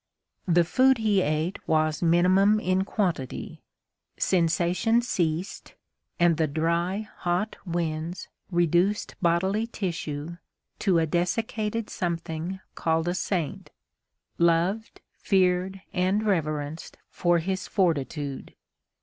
The food he ate was minimum in quantity; sensation ceased, and the dry, hot winds reduced bodily tissue to a dessicated something called a saint—loved, feared and reverenced for his fortitude.